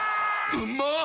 うまっ！